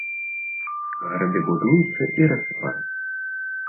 Гарады будуюцца і рассыпаюцца.